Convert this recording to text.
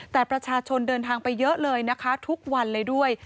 แต่ประชาชนเดินทางไปเยอะเลยนะคะทุกวันเลยด้วย